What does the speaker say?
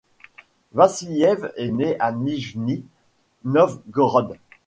Vassiliev est né à Nijni Novgorod.